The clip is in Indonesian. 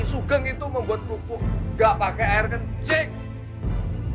sugong itu membuat rumpuk nggak pakai air kecil